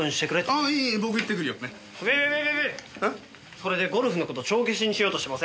それでゴルフの事帳消しにしようとしてません？